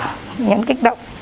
bệnh nhân kích động